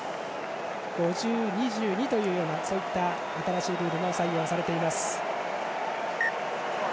５０：２２というような新しいルールも採用されています。